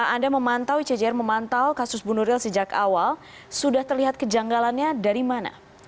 anda memantau icjr memantau kasus bu nuril sejak awal sudah terlihat kejanggalannya dari mana